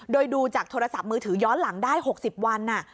โดยดูจากโทรศัพท์มือถือย้อนหลังได้๖๐วัน